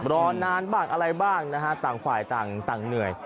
รอนานบ้างอะไรบ้างนะฮะต่างฝ่ายต่างเหนื่อย